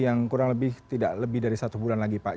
yang kurang lebih tidak lebih dari satu bulan lagi pak